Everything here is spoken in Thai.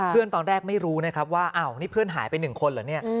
ตอนแรกไม่รู้นะครับว่าอ้าวนี่เพื่อนหายไป๑คนเหรอเนี่ย